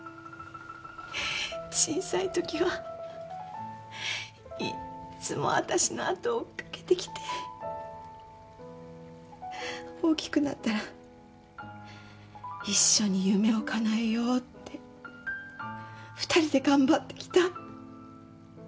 小さいときはいつも私の後を追っ掛けてきて大きくなったら一緒に夢をかなえようって２人で頑張ってきた。